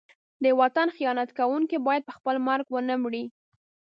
د وطن خیانت کوونکی باید په خپل مرګ ونه مري.